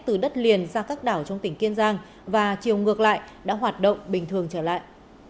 từ đất liền ra các đảo trong tỉnh kiên giang và chiều ngược lại đã hoạt động bình thường trở lại